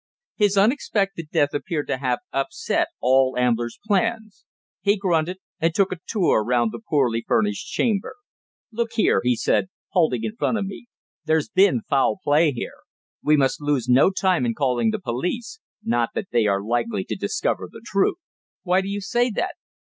His unexpected death appeared to have upset all Ambler's plans. He grunted and took a tour round the poorly furnished chamber. "Look here!" he said, halting in front of me. "There's been foul play here. We must lose no time in calling the police not that they are likely to discover the truth." "Why do you say that?"